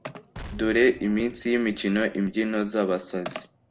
dore iminsi yimikino, imbyino zabasazi